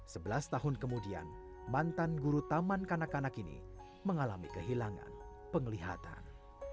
sebelas tahun kemudian mantan guru taman kanak kanak ini mengalami kehilangan penglihatan